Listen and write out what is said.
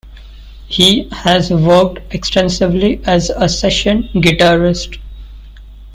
He has worked extensively as a session guitarist.